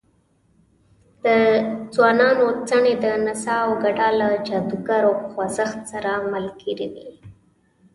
د ځوانانو څڼې د نڅا او ګډا له جادوګر خوځښت سره ملګرې وې.